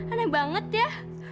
anak banget ya